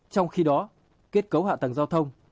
trong khi đó kết cấu hạ tầng giao thông